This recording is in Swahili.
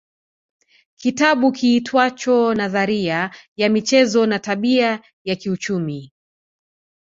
Kitabu kiitwacho nadharia ya michezo na tabia ya kiuchumi